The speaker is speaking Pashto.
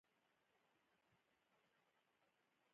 شاوخوا اتیا زره کسانو ژوند له لاسه ورکړ.